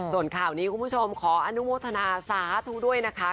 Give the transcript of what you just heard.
ส่วนข่าวนี้คุณผู้ชมขออนุโมทนาสาธุด้วยนะคะ